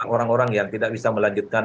orang orang yang tidak bisa melanjutkan